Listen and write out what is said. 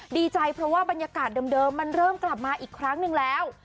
ดีใจเพราะว่าบรรยากาศเดิมมันเริ่มกลับมาอีกครั้งหนึ่งแล้ว